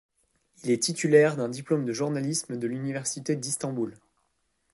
Il est titulaire d’un diplôme de journalisme de l’université d’Istanbul.